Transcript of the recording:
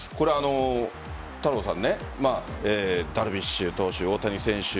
太郎さんダルビッシュ投手、大谷選手